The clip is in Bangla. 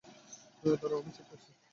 দাঁড়াও আমি চেক করছি।